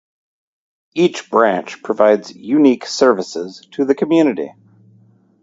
Each branch provides unique services to the community.